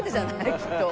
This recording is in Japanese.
きっと。